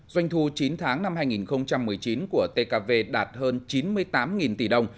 doanh thu chín tháng năm hai nghìn một mươi chín của tkv đạt hơn chín mươi tám tỷ đồng